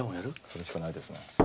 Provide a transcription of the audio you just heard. それしかないですね。